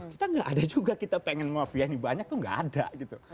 kita nggak ada juga kita pengen mafia ini banyak tuh nggak ada gitu